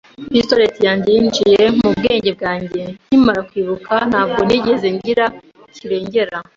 pistolet yanjye yinjiye mu bwenge bwanjye. Nkimara kwibuka ntabwo nigeze ngira kirengera,